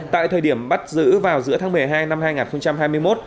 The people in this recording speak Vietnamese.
tại thời điểm bắt giữ vào giữa tháng một mươi hai năm hai nghìn hai mươi một